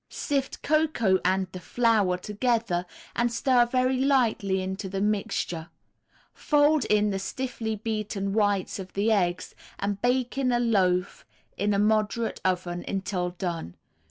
Sift cocoa and the flour together and stir very lightly into the mixture; fold in the stiffly beaten whites of the eggs, and bake in a loaf in a moderate oven until done.